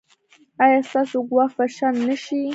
ایا ستاسو ګواښ به شنډ نه شي؟